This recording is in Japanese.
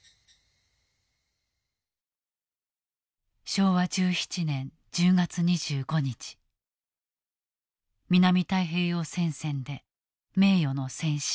「昭和十七年十月二十五日南太平洋戦線で名誉の戦死」。